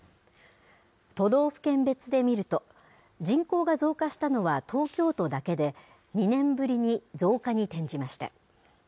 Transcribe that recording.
都道府県別で見ると、人口が増加したのは東京都だけで、２年ぶりに増加に転じました。